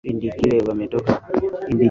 indi kile wametoka kwenye